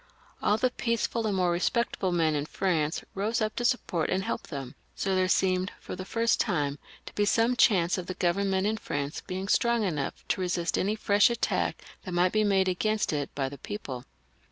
All the peaceable and more respectable men in France rose up to support and help them, so there seemed, for the first time, to be some chance of the Government in France being strong enough to resist any &esh attack that might be made against it by the people.